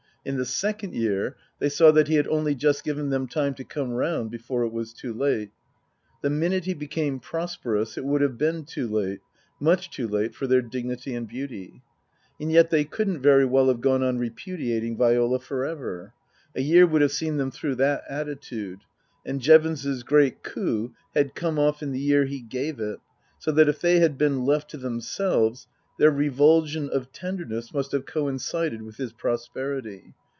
In the second year they saw that he had only just given them time to come round before it was too late. The minute he became prosperous it would have been too late, much too late for their dignity and beauty. And yet they couldn't very well have gone on repudiating Viola for ever. A year would have seen them through that attitude. And Jevons 's great coup had come off in the year he " gave " it ; so that if they had been left to themselves their revulsion of tenderness must have coincided with his prosperity.